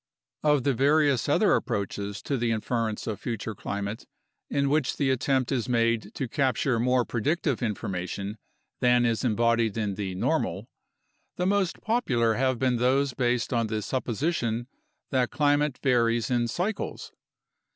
Of the various other approaches to the inference of future climate in which the attempt is made to capture more predictive information than is embodied in the "normal," the most popular have been those based on the supposition that climate varies in cycles.